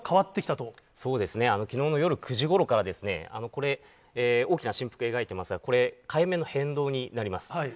そうですね、きのうの夜９時ごろから、これ、大きな振幅を描いていますが、これ、海面の変動になります。